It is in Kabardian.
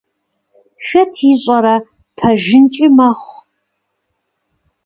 Хэт ищӀэрэ, пэжынкӀи мэхъу…